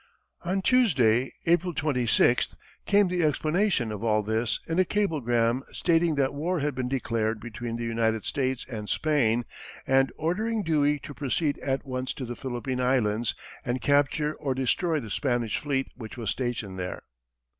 On Tuesday, April 26, came the explanation of all this in a cablegram stating that war had been declared between the United States and Spain, and ordering Dewey to proceed at once to the Philippine Islands and capture or destroy the Spanish fleet which was stationed there.